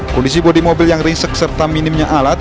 kondisi bodi mobil yang risek serta minimnya alat